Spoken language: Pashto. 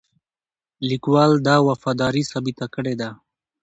لیکوال دا وفاداري ثابته کړې ده.